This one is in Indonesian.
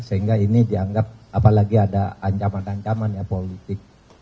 sehingga ini dianggap apalagi ada ancaman ancaman ya politik